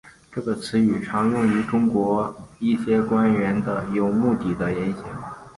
这个词语常用于中国一些官员的有目的言行。